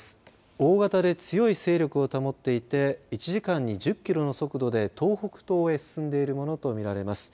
大型で強い勢力を保っていて１時間に１０キロの速度で東北東へ進んでいるものと見られます。